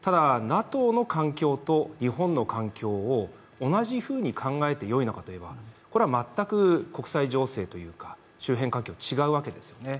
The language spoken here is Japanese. ただＮＡＴＯの環境と日本の環境を同じふうに考えてよいのかと言えば、これは全く国際情勢というか、周辺環境が違うわけですよね。